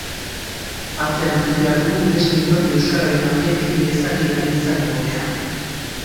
Atzean utzi behar dugu beste inork euskararen alde egin lezakeenaren zain egotea.